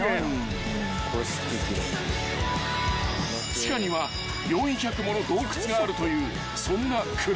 ［地下には４００もの洞窟があるというそんな暗闇の世界へ］